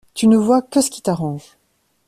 Tu ne vois que ce qui t’arrange.